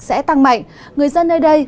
sẽ tăng mạnh người dân nơi đây